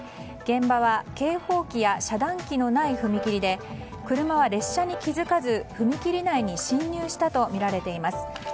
現場は警報機や遮断機のない踏切で車は列車に気づかず踏切内に進入したとみられています。